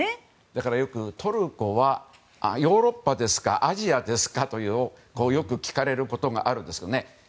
だから、よくトルコはヨーロッパですかアジアですかとよく聞かれることがあるんですね。